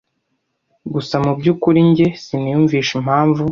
gusa mubyukuri njye siniyumvisha impamvu